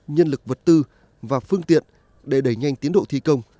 nhân lực vật tư và phương tiện để đẩy nhanh tiến độ thi công